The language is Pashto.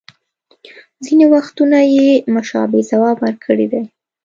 ځینې وختونه یې مشابه ځواب ورکړی دی